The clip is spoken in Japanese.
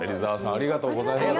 ありがとうございます。